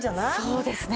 そうですね。